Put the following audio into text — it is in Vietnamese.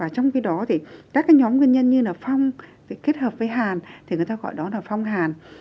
trong đó các nhóm nhân nhân như phong kết hợp với hàn thì chúng ta gọi đó là phong hàn